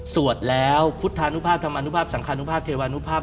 สวดแล้วพุทธานุภาพธรรมอนุภาพสังคานุภาพเทวานุภาพ